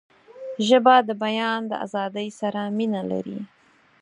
ژبه د بیان آزادۍ سره مینه لري